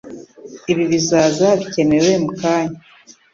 Ibi bizaza bikenewe mukanya.